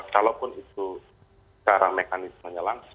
walaupun itu sekarang mekanisme nyelang